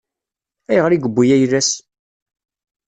Ayɣer i yewwi ayla-s?